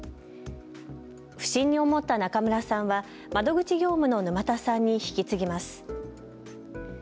不審に思った中村さんは窓口業務の沼田さんに引き継ぎます。